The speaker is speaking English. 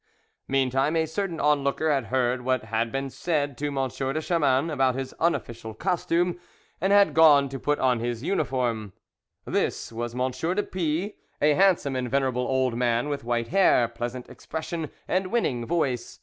Meantime a certain onlooker had heard what had been said to M. de Chamans about his unofficial costume, and had gone to put on his uniform. This was M. de Puy, a handsome and venerable old man, with white hair, pleasant expression, and winning voice.